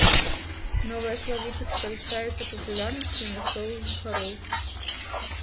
Новая славутасць карыстаецца папулярнасцю ў мясцовых жыхароў.